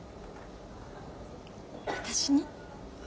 私に？